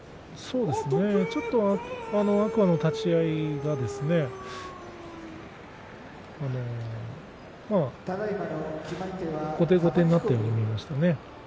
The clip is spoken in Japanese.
ちょっと天空海の立ち合いが後手後手になったように見えましたね。